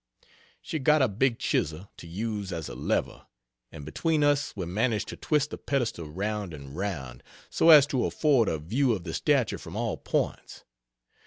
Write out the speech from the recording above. She got a big chisel, to use as a lever, and between us we managed to twist the pedestal round and round, so as to afford a view of the statue from all points.